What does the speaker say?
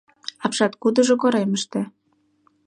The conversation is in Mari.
Апшаткудыжо коремыште.